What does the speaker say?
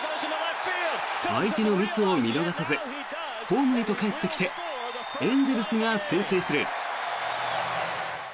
相手のミスを見逃さずホームへとかえってきてエンゼルスが先制する。